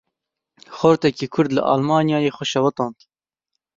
Xortekî Kurd li Almanyayê xwe şewitand.